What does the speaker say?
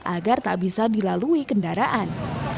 agar tak bisa dilalui kendaraan